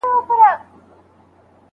شاګرد به ټول ماخذونه پیدا کړي وي.